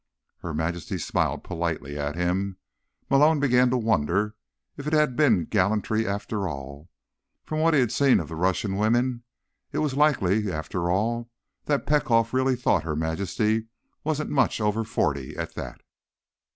Her Majesty smiled politely at him. Malone began to wonder if it had been gallantry, after all. From what he'd seen of the Russian women, it was likely, after all, that Petkoff really thought Her Majesty wasn't much over forty at that.